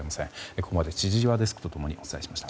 ここまで千々岩デスクと共にお伝えしました。